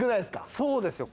そうですよ。